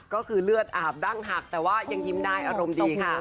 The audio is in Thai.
ก็คือเลือดอาบดั้งหักแต่ว่ายังยิ้มได้อารมณ์ดีค่ะ